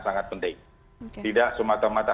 sangat penting tidak semata mata